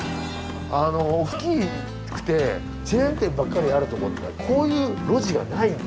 あの大きくてチェーン店ばっかりあるところってこういう路地がないんですよ。